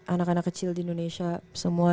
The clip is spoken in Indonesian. anak anak kecil di indonesia semua